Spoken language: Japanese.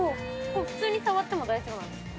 普通に触っても大丈夫なんですか？